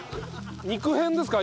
肉編ですか？